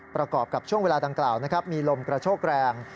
ประกอบกับช่วงเวลาดังกล่าวมีลมกระโชกแรง